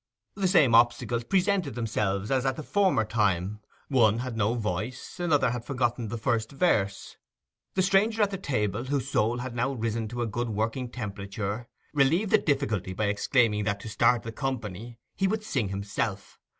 The same obstacles presented themselves as at the former time—one had no voice, another had forgotten the first verse. The stranger at the table, whose soul had now risen to a good working temperature, relieved the difficulty by exclaiming that, to start the company, he would sing himself.